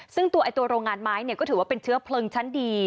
ซึ่งตัวโรงงานไม้ก็ถือว่าเป็นเชื้อเพลิงชั้นดี